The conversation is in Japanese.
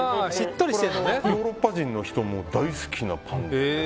ヨーロッパの人も大好きなパン。